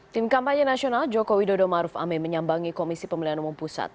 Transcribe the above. tim kampanye nasional joko widodo maruf amin menyambangi komisi pemilihan umum pusat